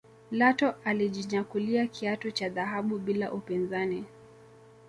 Lato alijinyakulia kiatu cha dhahabu bila upinzani